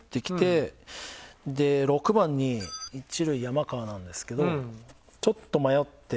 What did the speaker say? で６番に一塁山川なんですけどちょっと迷って。